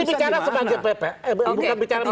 ini bicara sebagai ppn bukan bicara ppn